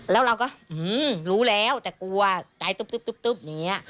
แล้วเราก็รู้แล้วแต่กลัวใจตุ๊บอย่างนี้